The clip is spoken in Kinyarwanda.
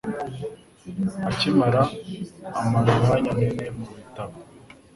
Akimana amara umwanya munini mubitabo.